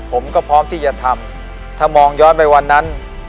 ผมก็พร้อมที่จะทำถ้ามองย้อนไปวันนั้น